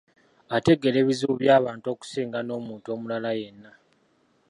Ategeera ebizibu by'abantu okusinga n'omuntu omulala yenna.